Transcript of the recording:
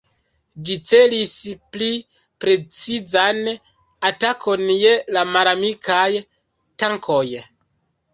Ĝi celis pli precizan atakon je la malamikaj tankoj.